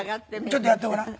ちょっとやってごらん。